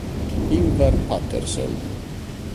Ingvar Pettersson